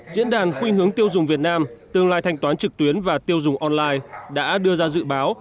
diễn đàn khuyên hướng tiêu dùng việt nam tương lai thanh toán trực tuyến và tiêu dùng online đã đưa ra dự báo